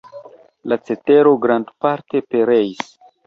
La cetero grandparte pereis.